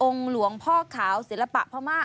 องค์หลวงพ่อขาวเสียลปะพระม่า